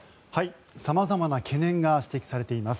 さまざまな懸念が指摘されています。